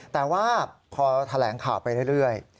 แต่ว่าพอแถลงข่าวไปเรื่อย